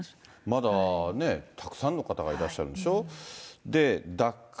まだたくさんの方がいらっしゃるんでしょ。